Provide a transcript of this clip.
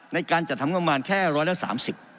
ในการจัดทำงบประมาณแค่ร้อยละสามสิบ